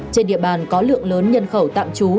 trên địa bàn có lượng lớn nhân khẩu tạm trú